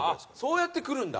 そうやってくるんだ？